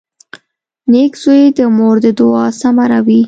• نېک زوی د مور د دعا ثمره وي.